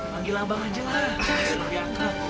panggil abang ajalah